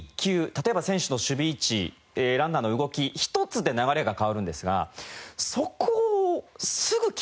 例えば選手の守備位置ランナーの動き一つで流れが変わるんですがそこをすぐ気づくんですよね。